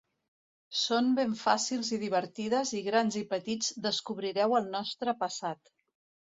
Són ben fàcils i divertides i grans i petits descobrireu el nostre passat.